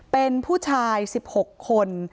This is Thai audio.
เป็นผู้ชาย๑๖คน